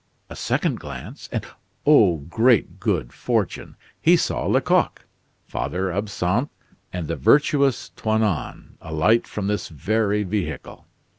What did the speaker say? A second glance, and oh, great good fortune, he saw Lecoq, Father Absinthe, and the virtuous Toinon alight from this very vehicle.